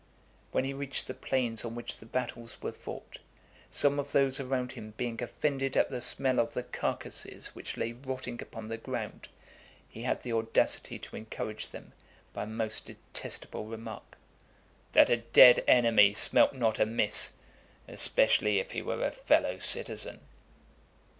When he reached the plains on which the battles (434) were fought , some of those around him being offended at the smell of the carcases which lay rotting upon the ground, he had the audacity to encourage them by a most detestable remark, "That a dead enemy smelt not amiss, especially if he were a fellow citizen."